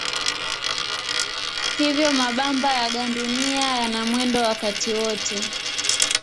Hivyo mabamba ya gandunia yana mwendo wakati wote.